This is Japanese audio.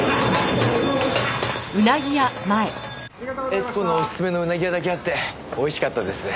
悦子のおすすめのうなぎ屋だけあって美味しかったですね。